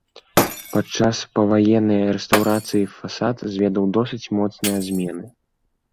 Падчас паваеннай рэстаўрацыі фасад зведаў досыць моцныя змены.